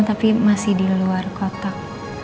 tapi masih di luar kotak